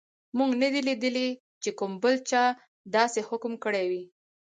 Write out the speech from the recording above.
موږ نه دي لیدلي چې کوم بل پاچا داسې حکم کړی وي.